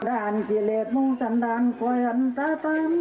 ด่านเกลียดมุงสันดานโกยันตะตั้ง